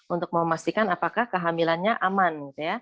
untuk memastikan apakah kehamilannya aman